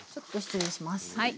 はい。